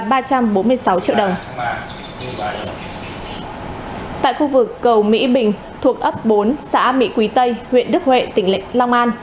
tại khu vực cầu mỹ bình thuộc ấp bốn xã mỹ quý tây huyện đức huệ tỉnh long an